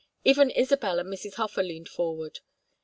Even Isabel and Mrs. Hofer leaned forward.